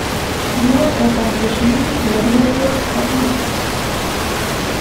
Nur, wer vom Regime toleriert wird, darf mitmachen.